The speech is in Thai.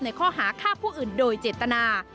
ข้อหาฆ่าผู้อื่นโดยเจตนา